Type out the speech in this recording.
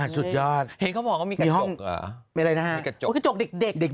สุดยอดมีห้องอะไรนะฮะโอ้ยกระจกเด็ก